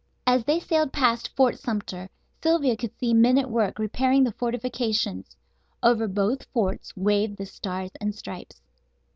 As they sailed past Fort Sumter Sylvia could see men at work repairing the fortifications. Over both forts waved the Stars and Stripes.